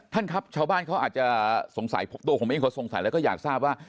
ท่านครับชาวบ้านเขาอาจจะสงสัยตัวผมเองเขาสงสัยแล้วก็อยากทราบว่า